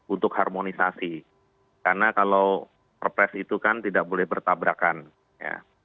untuk harmonisasi karena kalau perpres itu kan tidak boleh bertabrakan ya